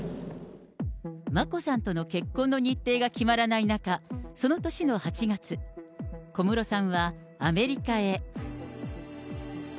眞子さんとの結婚の日程が決まらない中、その年の８月、小室さんは、アメリカへ。